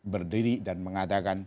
berdiri dan mengatakan